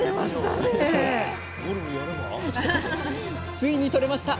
ついにとれました！